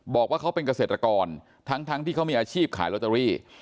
บอกว่าเขาเป็นเกษตรกรทั้งที่เขามีอาชีพขายลอตเตอรี่